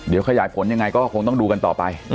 เดี๋ยวขยายผลยังไงก็คงต้องดูกันต่อไป